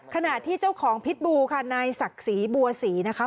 ขณะที่เจ้าของพิษบูค่ะนายศักดิ์ศรีบัวศรีนะคะ